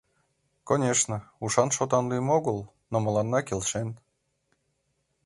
Конешне, ушан-шотан лӱм огыл, но мыланна келшен.